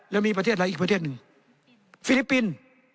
แล้วมีประเทศอะไรอีกประเทศหนึ่งฟิลิปปินส์